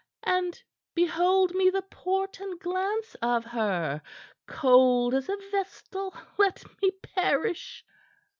And behold me the port and glance of her! Cold as a vestal, let me perish!"